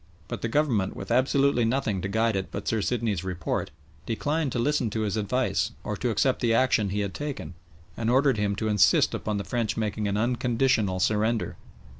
But the Government, with absolutely nothing to guide it but Sir Sidney's report, declined to listen to his advice or to accept the action he had taken, and ordered him to insist upon the French making an unconditional surrender.